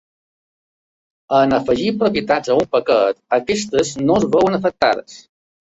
En afegir propietats a un paquet, aquestes no es veuen afectades.